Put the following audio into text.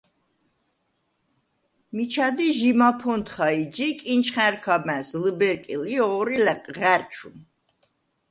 მიჩა დი ჟი მაფონთხა ი ჯი კინჩხა̈რქა მა̈ზ ლჷბერკილ ი ოღვრი ღა̈რჩუ.